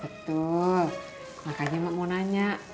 betul makanya mak mau nanya